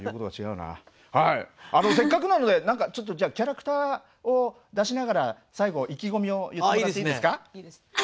はいせっかくなので何かちょっとキャラクターを出しながら最後意気込みを言ってもらっていいですか？